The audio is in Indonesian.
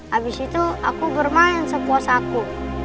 habis itu aku bermain sepuas aku